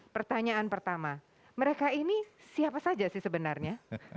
pertanyaan pertama mereka ini siapa saja sih sebenarnya